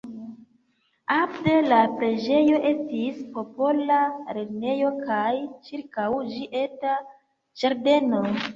Apud la preĝejo estis popola lernejo kaj ĉirkaŭ ĝi eta ĝardeno.